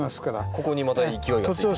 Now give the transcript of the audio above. ここにまた勢いがついてしまう。